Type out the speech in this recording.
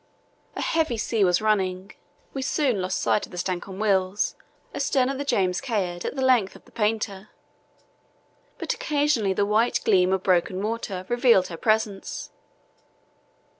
A heavy sea was running. We soon lost sight of the Stancomb Wills, astern of the James Caird at the length of the painter, but occasionally the white gleam of broken water revealed her presence.